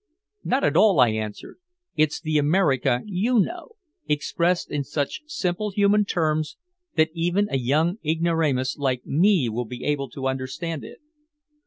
"Not at all," I answered. "It's the America you know, expressed in such simple human terms that even a young ignoramus like me will be able to understand it.